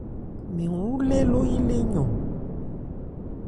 Mɛn wu lê ló-yí lê yɔn.